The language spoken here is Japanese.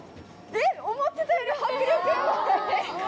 えっ思ってたより迫力ヤバい！